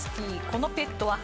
このペットは？」